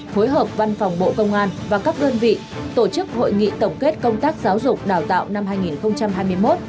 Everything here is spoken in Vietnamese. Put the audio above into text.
phối hợp văn phòng bộ công an và các đơn vị tổ chức hội nghị tổng kết công tác giáo dục đào tạo năm hai nghìn hai mươi một